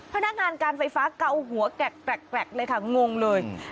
พนักงานการไฟฟ้าเกาหัวแกรกเลยค่ะงงเลย